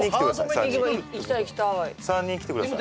３人来てください